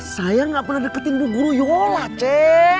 sayang nggak pernah deketin bu guruyola ceng